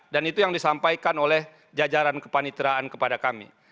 dan itu yang disampaikan oleh jajaran kepaniteraan kepada kami